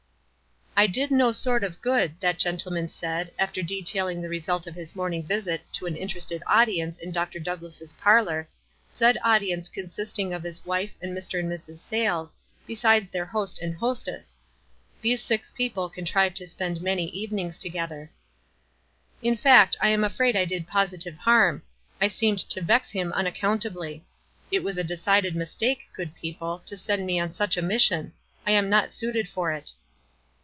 "I did no sort of good," that gentleman said, after detailing the result of his morning visit to an interested audience in Dr. Douglass' parlor, said audience consisting of his wife and Mr. and Mrs. Sayles, besides their host and hostess These six people contrived to spend many evenings together. "In fact, I am afraid I did positive harm. I seemed to vex him unac countably. It was a decided mistake, good people, to send me on such a mission. I am not suited for it."